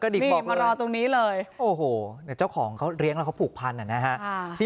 บอกมารอตรงนี้เลยโอ้โหแต่เจ้าของเขาเลี้ยงแล้วเขาผูกพันนะฮะ